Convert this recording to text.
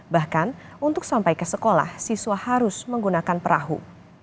bahkan untuk sampai ke sekolah siswa harus menggunakan perahu